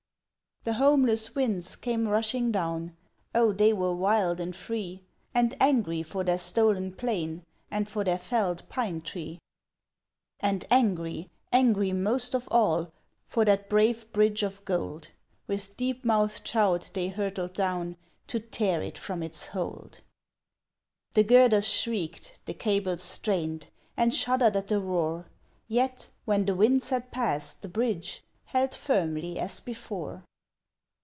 The homeless winds came rushing down Oh they were wild and free! And angry for their stolen plain And for their felled pine tree And angry angry most of all For that brave bridge of gold! With deep mouthed shout they hurtled down To tear it from its hold The girders shrieked, the cables strained And shuddered at the roar Yet, when the winds had passed, the bridge Held firmly as before!